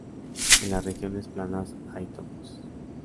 En las regiones planas hay topos.